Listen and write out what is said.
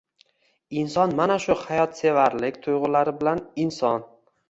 Inson mana shu hayotsevarlik tuygʻulari bilan inson.